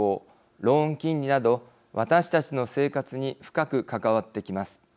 ローン金利など私たちの生活に深く関わってきます。